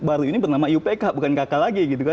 baru ini bernama iupk bukan kk lagi